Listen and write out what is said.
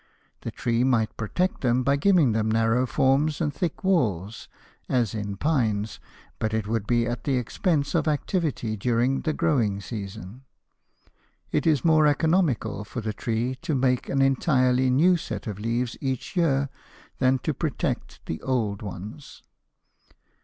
The tree might protect them by giving them narrow forms and thick walls (as in pines), but it would be at the expense of activity during the growing season. It is more economical for the tree to make an entirely new set of leaves each year than to protect the old ones.